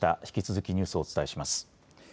引き続きニュースをお伝えします。